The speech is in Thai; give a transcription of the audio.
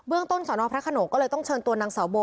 ต้นสนพระขนงก็เลยต้องเชิญตัวนางสาวโบ